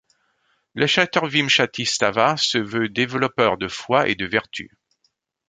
Le chaturvimshati-stava se veut développeur de foi et de vertus.